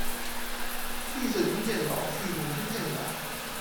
丽色军舰鸟是一种军舰鸟。